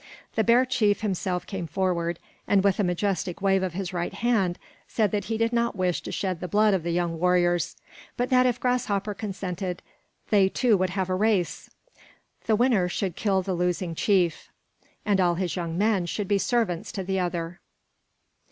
The bear chief himself came forward, and with a majestic wave of his right hand, said that he did not wish to shed the blood of the young warriors; but that if Grasshopper consented, they two would have a race. The winner should kill the losing chief, and all his young men should be servants to the other.